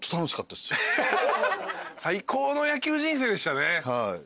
最高の野球人生でしたね。